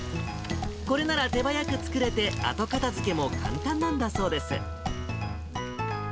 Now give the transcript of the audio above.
これなら手早く作れて、後片づけも簡単なんだそうです。